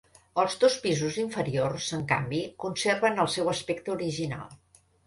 Els dos pisos inferiors, en canvi, conserven el seu aspecte original.